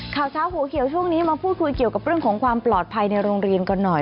ข่าวเช้าหัวเขียวช่วงนี้มาพูดคุยเกี่ยวกับเรื่องของความปลอดภัยในโรงเรียนกันหน่อย